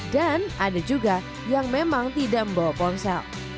dan ada juga yang memang tidak membawa ponsel